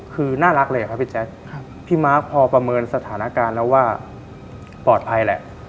คือน่ารักเลยอะครับพี่แจ๊คพี่มาร์คพอประเมินสถานการณ์แล้วว่าปลอดภัยแหละ